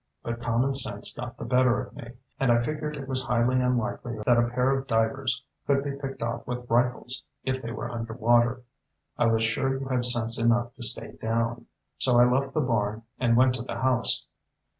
But common sense got the better of me, and I figured it was highly unlikely that a pair of divers could be picked off with rifles if they were underwater. I was sure you had sense enough to stay down. So I left the barn and went to the house."